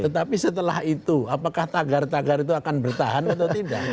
tetapi setelah itu apakah tagar tagar itu akan bertahan atau tidak